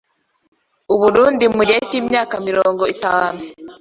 u Burundi mugihe cy’ imyaka mirongo itanu